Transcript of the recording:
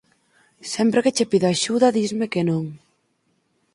Sempre que che pido axuda disme que non